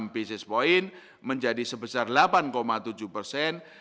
dua ratus enam puluh enam basis point menjadi sebesar delapan tujuh persen